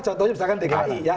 contohnya misalkan dki ya